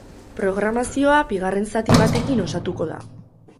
Programazioa bigarren zati batekin osatuko da.